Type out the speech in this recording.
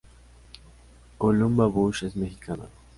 Columba Bush es mexicana.